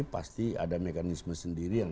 pasti ada mekanisme sendiri yang